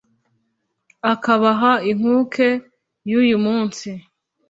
Akabaha inkuke y'uyu munsi!"